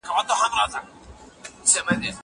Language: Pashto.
زه هره ورځ انځور ګورم!!